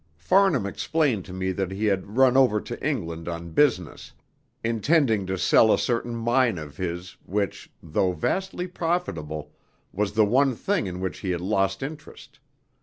Farnham explained to me that he had "run over" to England on business, intending to sell a certain mine of his, which, though vastly profitable, was the one thing in which he had lost interest.